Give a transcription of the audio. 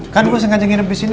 kan gue sengajang nginep disini